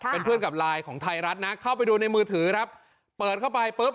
เป็นเพื่อนกับไลน์ของไทยรัฐนะเข้าไปดูในมือถือครับเปิดเข้าไปปุ๊บ